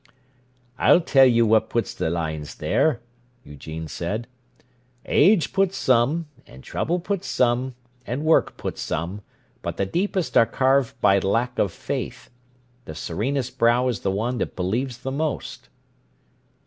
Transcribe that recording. "I'll tell you what puts the lines there," Eugene said. "Age puts some, and trouble puts some, and work puts some, but the deepest are carved by lack of faith. The serenest brow is the one that believes the most."